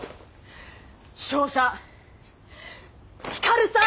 勝者光さん！